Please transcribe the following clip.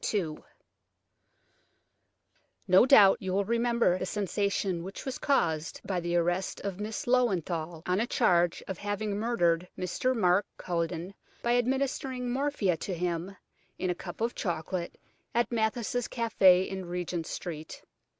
4 NO doubt you will remember the sensation which was caused by the arrest of Miss Löwenthal, on a charge of having murdered Mr. Mark Culledon, by administering morphia to him in a cup of chocolate at Mathis' café in Regent Street.